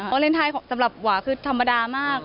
วาเลนไทยสำหรับหวาคือธรรมดามาก